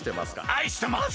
愛してます。